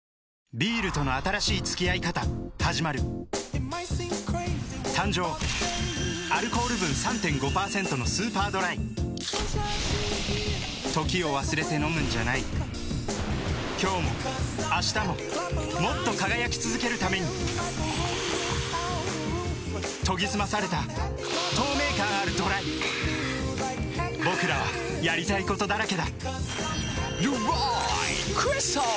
ビールとの新しい付き合い方はじまる誕生Ａｌｃ．分３．５％のスーパードライ時を忘れて飲むんじゃない今日も明日ももっと輝き続けるために研ぎ澄まされた透明感あるＤＲＹぼくらはやりたいことだらけだ「ドライクリスタル」